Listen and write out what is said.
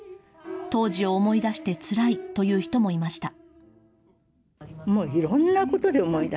当時を思い出してつらいという人もいました。